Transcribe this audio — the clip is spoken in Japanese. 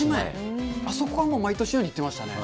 あそこは毎年のように行ってましたね。